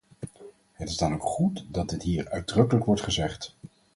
Het is dan ook goed dat dit hier uitdrukkelijk wordt gezegd.